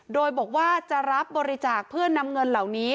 โดยบอกว่าจะรับบริจาคเพื่อนำเงินเหล่านี้